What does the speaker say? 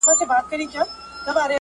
او د سیاسي ګډون حق